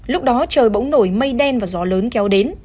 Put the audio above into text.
lúc đó trời bỗng nổi mây đen và gió lớn kéo đến